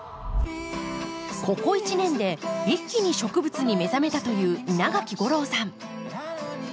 ここ１年で一気に植物に目覚めたという稲垣吾郎さん。